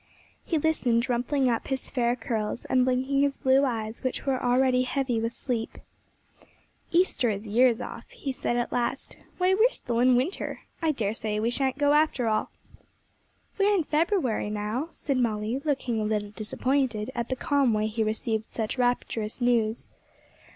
He listened, rumpling up his fair curls, and blinking his blue eyes, which were already heavy with sleep. 'Easter is years off,' he said at last. 'Why, we are still in winter. I daresay we shan't go, after all.' 'We are in February now,' said Molly, looking a little disappointed at the calm way he received such rapturous news.